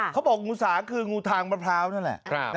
เขาบอกงูสาคืองูทางประพร้าวนั่นแหละ